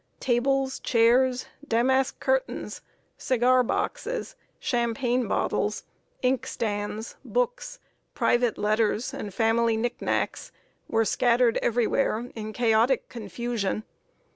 Tables, chairs, damask curtains, cigar boxes, champagne bottles, ink stands, books, private letters, and family knick knacks, were scattered everywhere in chaotic confusion.